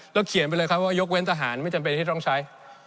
เขียนไปเลยครับว่ายกเว้นทหารไม่จำเป็นที่ต้องใช้